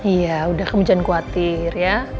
iya udah kemudian khawatir ya